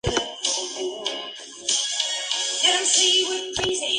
Si ha alcanzado el nivel de descarga, el motor de gasolina recarga la batería.